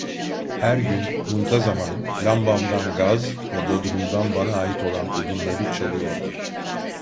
Her gün, muntazaman, lambamdan gaz ve bodrumdan bana ait olan odunları çalıyordu.